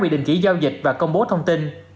bị đình chỉ giao dịch và công bố thông tin